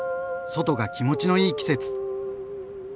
外が気持ちのいい季節！